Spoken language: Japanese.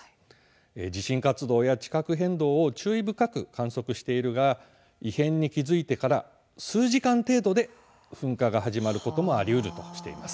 地震活動や地殻変動を注意深く観測しているが異変に気付いてから数時間程度で噴火が始まるということもありうるとしています。